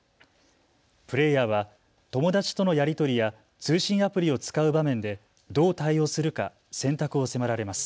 プレーヤーは友だちとのやり取りや通信アプリを使う場面でどう対応するか選択を迫られます。